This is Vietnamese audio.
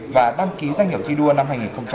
và đăng ký doanh nghiệp thi đua năm hai nghìn một mươi sáu